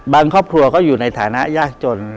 ครอบครัวก็อยู่ในฐานะยากจน